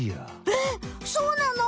えっそうなの！？